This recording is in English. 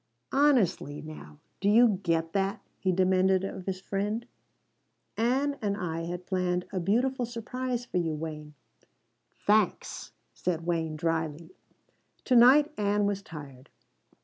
"Honestly now, do you get that?" he demanded of his friend. "Ann and I had planned a beautiful surprise for you, Wayne." "Thanks," said Wayne drily. "To night Ann was tired.